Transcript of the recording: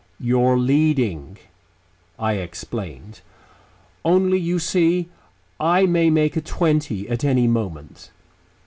"You're leading," I explained. "Only, you see, I may make a twenty at any moment."